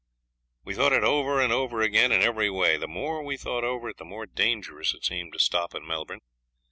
We thought it over and over again, in every way. The more we thought over it the more dangerous it seemed to stop in Melbourne.